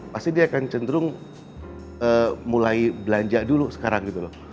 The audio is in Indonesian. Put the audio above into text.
pasti dia akan cenderung mulai belanja dulu sekarang gitu loh